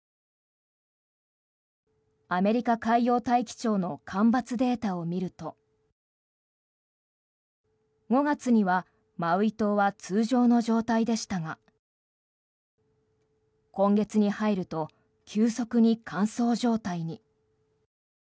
アメリカ海洋大気庁の干ばつデータを見ると５月にはマウイ島は通常の状態でしたが今月に入ると急速に乾燥状態に。